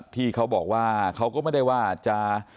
ที่เขาบอกว่าเขาก็ไม่ได้ว่าจะ